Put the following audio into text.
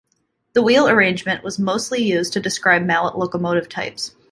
The wheel arrangement was mostly used to describe Mallet locomotive types.